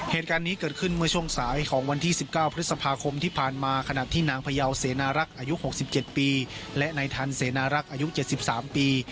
เหตุการณ์นี้เกิดขึ้นเมื่อช่วงสายของวันที่๑๙พฤษภาคมที่ผ่านมาขณะที่นางพยาวเสนารักษ์อายุ๖๗ปีและนายทันเสนารักษ์อายุ๗๓ปี